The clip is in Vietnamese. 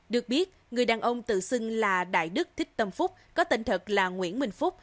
được biết người đàn ông tự xưng là đại đức thích tâm phúc có tên thật là nguyễn minh phúc